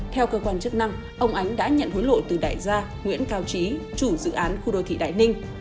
theo cơ quan chức năng ông ánh đã nhận hối lộ từ đại gia nguyễn cao trí chủ dự án khu đô thị đại ninh